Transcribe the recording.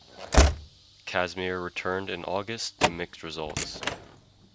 Kazmir returned in August to mixed results.